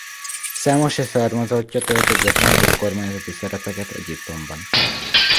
Számos leszármazottja töltött be fontos kormányzati szerepeket Egyiptomban.